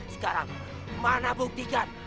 sekarang mana buktikan